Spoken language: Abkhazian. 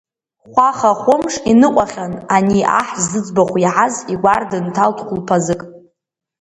Хәаха-хәымш иныҟәахьан, ани аҳ зыӡбахә иаҳаз игәар дынҭалт хәлԥазык.